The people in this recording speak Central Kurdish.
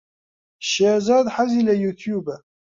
شێرزاد حەزی لە یووتیووبە.